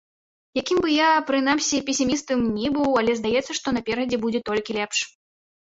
Якім бы я, прынамсі, песімістам ні быў, але здаецца, што наперадзе будзе толькі лепш.